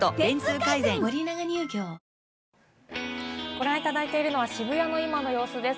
ご覧いただいているのは渋谷の今の様子です。